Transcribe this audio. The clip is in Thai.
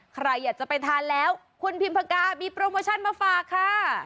ใครอยากจะไปทานแล้วคุณพิมพกามีโปรโมชั่นมาฝากค่ะ